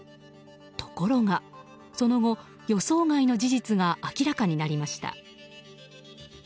ところがその後、予想外の事実が明らかになりました。